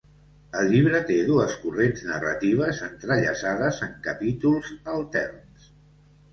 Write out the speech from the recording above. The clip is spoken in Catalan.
El llibre té dues corrents narratives entrellaçades en capítols alterns.